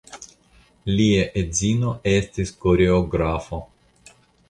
Lia edzino estis koreografo.